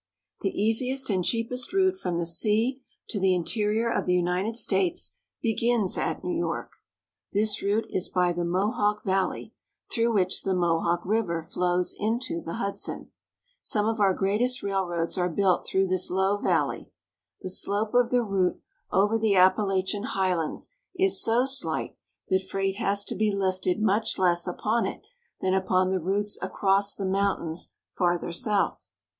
The easiest and cheapest route from the sea to the inte rior of the United States begins at New York. This route is by the Mohawk Valley, through which the Mohawk River flows into the Hudson. Some of our greatest rail roads are built through this low valley. The slope of the route over the Appalachian highlands is so slight that freight has to be lifted much less upon it than upon the routes across the mountains farther south.